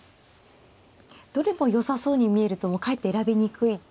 どれもよさそうに見えるとかえって選びにくいっていうことは。